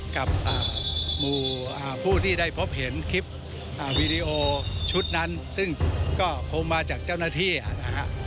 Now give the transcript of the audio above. กับผู้ที่ได้พบเห็นคลิปชุดนั้นก็คงมาจากเจ้าหน้าว่า